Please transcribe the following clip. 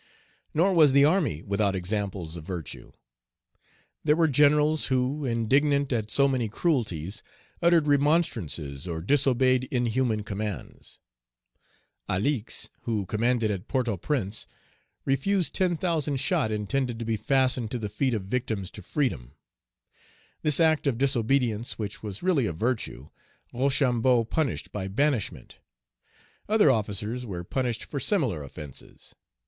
Nor was the army without examples of virtue. There were generals who, indignant at so many cruelties, uttered remonstrances, or disobeyed inhuman commands. Allix, who commanded at Port au Prince, refused ten thousand shot intended to be fastened to the feet of victims to freedom. This act of disobedience, which was really a virtue, Rochambeau punished by banishment. Other officers were punished for similar offences.